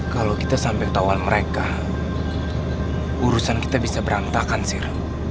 kalau kita sampai ketahuan mereka urusan kita bisa berantakan sih